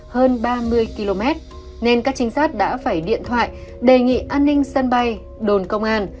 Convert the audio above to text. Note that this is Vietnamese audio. hơn ba mươi km nên các trinh sát đã phải điện thoại đề nghị an ninh sân bay đồn công an